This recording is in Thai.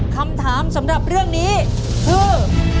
คำถามสำหรับเรื่องนี้คือ